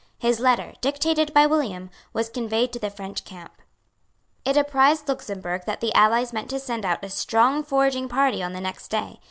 His letter, dictated by William, was conveyed to the French camp. It apprised Luxemburg that the allies meant to send out a strong foraging party on the next day.